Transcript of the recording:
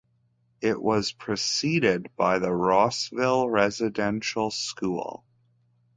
It was preceded by the Rossville Residential school.